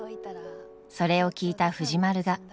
それを聞いた藤丸が。